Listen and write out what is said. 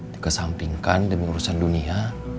dikesampingkan demi urusan dunia